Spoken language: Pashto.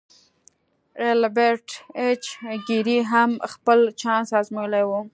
ایلبرټ ایچ ګیري هم خپل چانس ازمایلی و